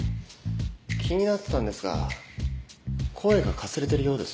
気になってたんですが声がかすれてるようですね。